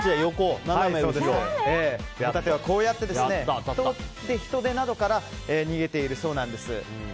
ホタテは、こうやってヒトデなどから逃げているそうです。